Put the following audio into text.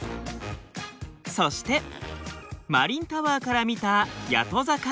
そしてマリンタワーから見た谷戸坂。